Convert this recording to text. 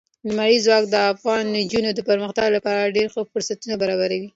لمریز ځواک د افغان نجونو د پرمختګ لپاره ډېر ښه فرصتونه برابروي.